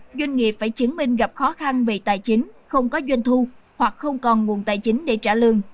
các doanh nghiệp phải chứng minh gặp khó khăn về tài chính không có doanh thu hoặc không còn nguồn tài chính để trả lương